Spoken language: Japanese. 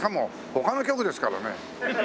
他の局ですからね。